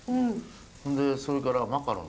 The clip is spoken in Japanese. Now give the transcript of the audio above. そんでそれからマカロン。